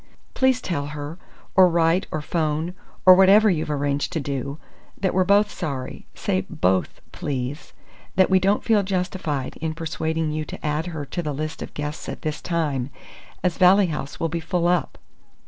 "Please tell her, or write or phone or whatever you've arranged to do that we're both sorry say 'both,' please that we don't feel justified in persuading you to add her to the list of guests this time, as Valley House will be full up."